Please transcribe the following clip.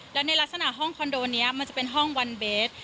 แล้วในลักษณะห้องคอนโดนี้มันจะเป็นห้องวันเบส